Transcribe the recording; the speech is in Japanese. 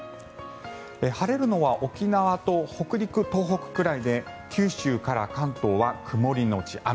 晴れるのは沖縄と北陸、東北ぐらいで九州から関東は曇りのち雨。